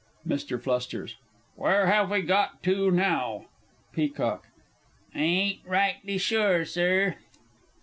MR. F. Where have we got to now? PEACOCK. I ain't rightly sure, Sir.